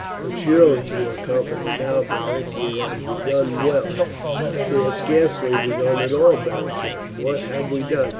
"But surely you are confident now, Beric; we have begun well." "We have scarcely begun at all," Beric said. "What have we done?